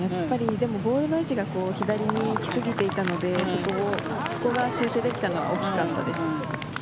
でも、ボールの位置が左に行きすぎていたのでそこが修正できたのは大きかったです。